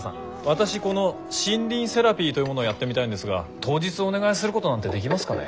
私この森林セラピーというものをやってみたいんですが当日お願いすることなんてできますかね？